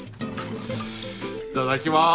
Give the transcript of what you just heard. いただきます！